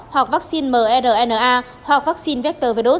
hoặc vaccine mrna hoặc vaccine vectorvirus